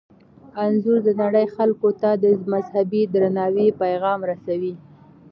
انځور د نړۍ خلکو ته د مذهبي درناوي پیغام رسوي.